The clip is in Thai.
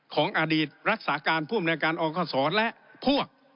ของอดีตรักษาการผู้อำนวยการอคศและพวก